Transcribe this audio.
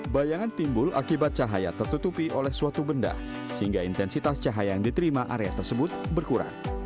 bayangan timbul akibat cahaya tertutupi oleh suatu benda sehingga intensitas cahaya yang diterima area tersebut berkurang